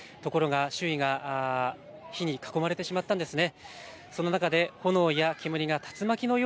ところが周囲は火に囲まれてしまったんですね。